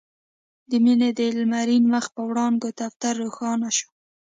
د مينې د لمرين مخ په وړانګو دفتر روښانه شو.